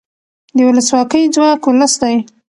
د ولسواکۍ ځواک ولس دی